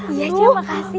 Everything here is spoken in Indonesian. iya cek makasih